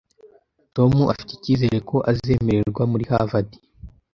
Tom afite icyizere ko azemerwa muri Harvard